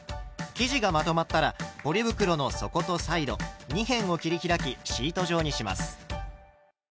生地がまとまったらポリ袋の底とサイド二辺を切り開きシート状にします。